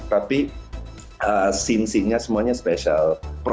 tapi scene scenenya semuanya spesial